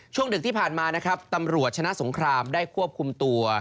ดึกที่ผ่านมานะครับตำรวจชนะสงครามได้ควบคุมตัว